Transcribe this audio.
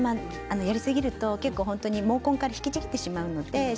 やりすぎると毛根から引きちぎってしまいます。